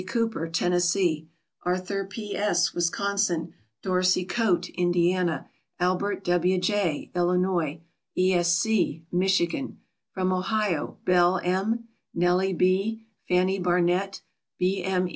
Cooper, Tennessee; Arthur P. S., Wisconsin; Dorsey Coate, Indiana; Albert W. J., Illinois; E. S. C., Michigan. From Ohio Belle M., Nellie B., Fannie Barnett, B. M.